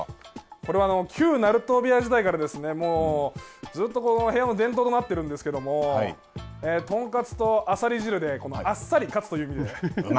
これは旧鳴門部屋時代からずっと部屋の伝統となっているんですけれども豚カツとあさり汁であっさり勝つという意味で。